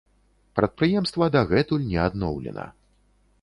Прадпрыемства дагэтуль не адноўлена.